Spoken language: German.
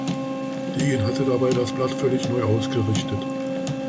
Degen hatte dabei das Blatt völlig neu ausgerichtet.